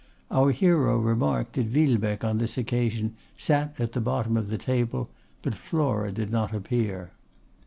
Our hero remarked that Villebecque on this occasion sat at the bottom of the table, but Flora did not appear.